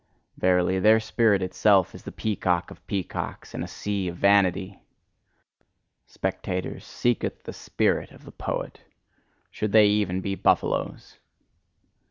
Verily, their spirit itself is the peacock of peacocks, and a sea of vanity! Spectators, seeketh the spirit of the poet should they even be buffaloes!